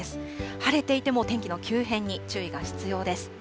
晴れていても天気の急変に注意が必要です。